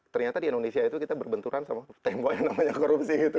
ternyata di indonesia itu kita berbenturan sama tembok yang namanya korupsi gitu